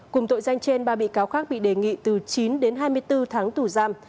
cùng tội danh trên ba bị cáo khác bị đề nghị từ chín đến hai mươi bốn tháng tù giam